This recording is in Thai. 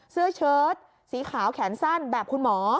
เสื้อเชิ้ตสีขาวแขนสั้นแบบคุณหมอ